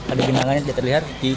ada bintangannya tidak terlihat